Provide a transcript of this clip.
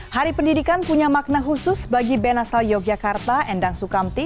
hari pendidikan punya makna khusus bagi band asal yogyakarta endang sukamti